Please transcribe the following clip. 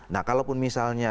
nah kalau misalnya